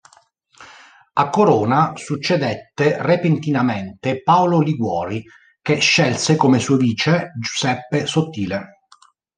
A Corona succedette repentinamente Paolo Liguori che scelse come suo vice Giuseppe Sottile.